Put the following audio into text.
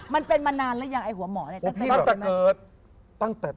มันเป็นมานานหรือยังไอ้หัวหมอตั้งแต่เกิด